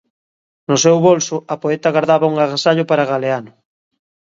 No seu bolso, a poeta gardaba un agasallo para Galeano.